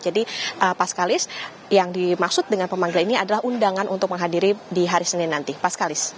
jadi pas kalis yang dimaksud dengan pemanggil ini adalah undangan untuk menghadiri di hari senin nanti pas kalis